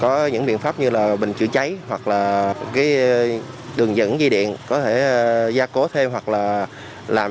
có những biện pháp như là bình chữa cháy hoặc là cái đường dẫn dây điện có thể gia cố thêm hoặc là làm